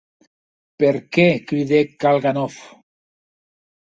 Per qué?, cridèc Kalganov.